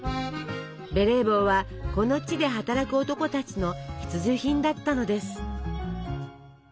ベレー帽はこの地で働く男たちの必需品だったのです。